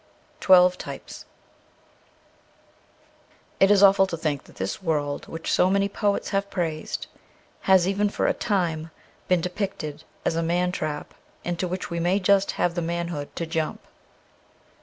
' Twelve Types. ' 310 OCTOBER 5th IT is awful to think that this world which so many poets have praised has even for a time been depicted as a mantrap into which we may just have the manhood to jump.